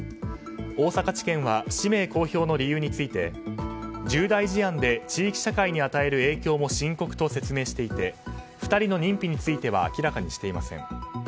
大阪地検は氏名公表の理由について重大事案で地域社会に与える影響も深刻と説明していて２人の認否については明らかにしていません。